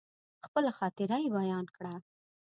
خپله خاطره يې بيان کړه.